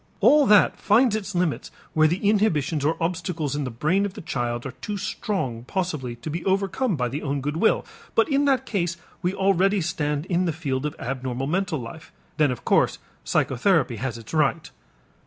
All that finds its limits where the inhibitions or obstacles in the brain of the child are too strong possibly to be overcome by the own good will, but in that case we already stand in the field of abnormal mental life and then of course psychotherapy has its right.